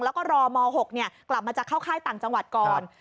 แล้วก็รอม๖กลับมาจะเข้าค่ายต่างจังหวัดก่อน